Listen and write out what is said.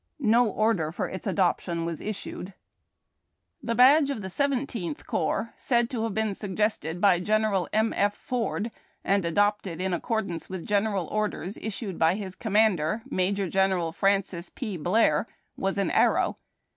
No order for its adoption was issued. The badge of the Seventeenth Corps, said to have been suggested by General M. F. Ford, and adopted in accord ance with General Orders issued by his commander, Major General Francis P. Blair, was an arrow.